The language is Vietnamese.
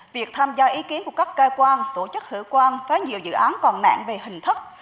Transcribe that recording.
việc tham gia ý kiến của các cơ quan tổ chức hữu quan với nhiều dự án còn nạn về hình thức